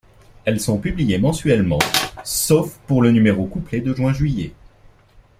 Elles sont publiées mensuellement, sauf pour le numéro couplé de juin-juillet.